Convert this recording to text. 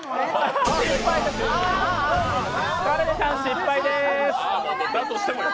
田辺さん、失敗でーす。